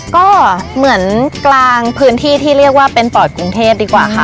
ก็เหมือนกลางพื้นที่ที่เรียกว่าเป็นปอดกรุงเทพดีกว่าค่ะ